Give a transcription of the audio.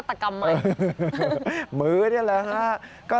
ตอนแรกก็ไม่แน่ใจนะคะ